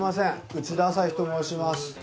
内田朝陽と申します。